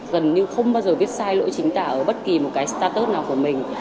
gần như không bao giờ viết sai lỗi chính tả ở bất kỳ một cái startus nào của mình